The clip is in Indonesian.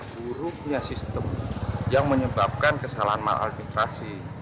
buruknya sistem yang menyebabkan kesalahan maladministrasi